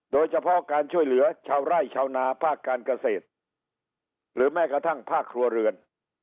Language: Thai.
โดยเฉพาะการช่วยเหลือชาวไร่ชาวนาภาคการเกษตรหรือแม้กระทั่งภาคครัวเรือน